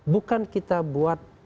bukan kita buat